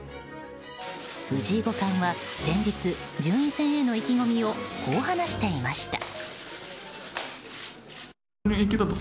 藤井五冠は先日順位戦への意気込みをこう話していました。